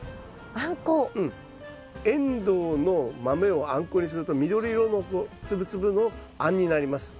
エンドウの豆を餡子にすると緑色の粒々の餡になります。